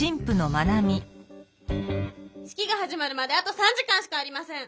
式が始まるまであと３時間しかありません。